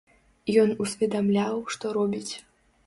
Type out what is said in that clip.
Ён усведамляў, што робіць.